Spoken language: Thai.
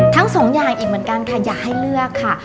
ทั้งสองอย่างอีกเหมือนกันค่ะอย่าให้เลือกค่ะ